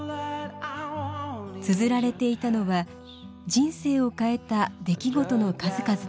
つづられていたのは人生を変えた出来事の数々でした。